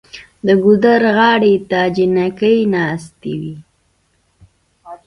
د ګودر غاړې ته جینکۍ ناستې وې